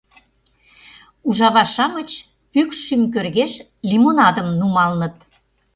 Ужава-шамыч пӱкш шӱм кӧргеш лимонадым нумалыныт.